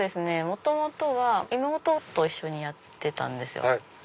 元々は妹と一緒にやってたんですよ。